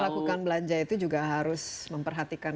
melakukan belanja itu juga harus memperhatikan